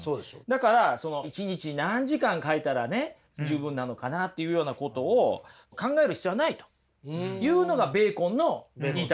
だから一日何時間描いたら十分なのかな？っていうようなことを考える必要はないというのがベーコンの言いたいことなんですね。